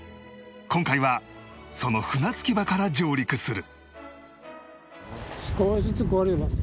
今回はその船着き場から上陸する